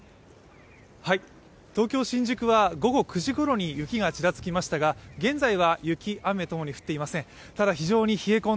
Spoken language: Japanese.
東京・新宿は午後９時ごろに雪がちらつきましたが、現在は雪、雨ともに降っていません。